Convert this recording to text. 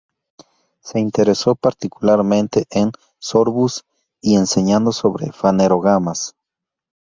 Se interesó particularmente en "Sorbus" y enseñando sobre fanerógamas.